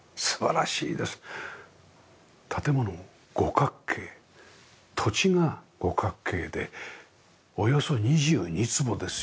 建物五角形土地が五角形でおよそ２２坪ですよ。